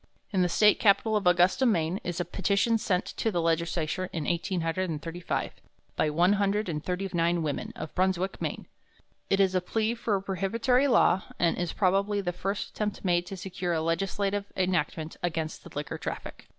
In the State Capitol at Augusta, Maine, is a petition sent to the legislature in 1835 by one hundred and thirty nine women of Brunswick, Maine. It is a plea for a prohibitory law, and is, probably, the first attempt made to secure a legislative enactment against the liquor traffic.